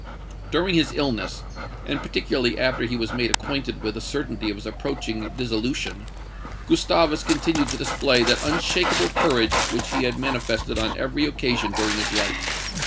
"During his illness, and particularly after he was made acquainted with the certainty of his approaching dissolution, Gustavus continued to display that unshaken courage which he had manifested on every occasion during his life.